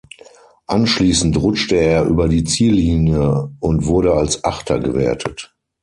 Anschließend rutschte er über die Ziellinie und wurde als Achter gewertet.